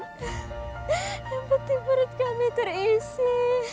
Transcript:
yang penting perut kami terisi